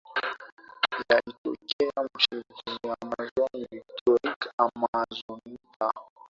yalikotokea msitupicmtoamazon Victoric Amazonika